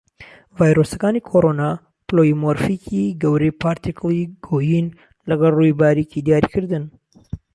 ڤایرۆسەکانی کۆڕۆنا پلۆیمۆرفیکی گەورەی پارتیکڵی گۆیین لەگەڵ ڕووی باریکی دیاریکردن.